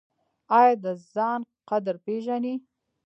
ایا د ځان قدر پیژنئ؟